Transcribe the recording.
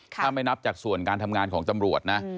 ถ้าไม่นับจากส่วนการทำงานของตำรวจนะ